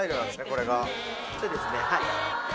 これがそうですねはい